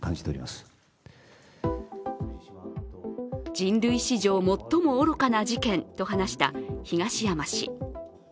人類史上最も愚かな事件と話した東山氏。